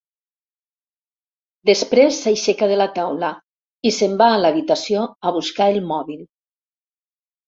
Després s'aixeca de taula i se'n va a l'habitació a buscar el mòbil.